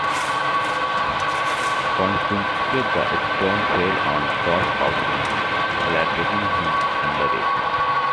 Consequently the stone fell on top of him, flattening him under it.